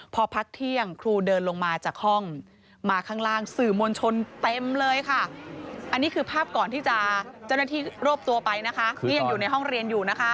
พอพักเที่ยงครูเดินลงมาจากห้องมาข้างล่างสื่อมนชนเต็มเลยค่ะอันนี้คือภาพก่อนที่จะเจ้านักที่โรบตัวไปนะคะ